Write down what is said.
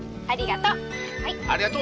ありがとう。